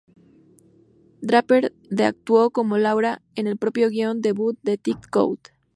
Draper de actuó como "Laura" en su propio guion debut "The Tic Code".